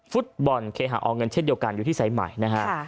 ฟุตบอลโอเงินเช่นเดียวกันอยู่ที่สายใหม่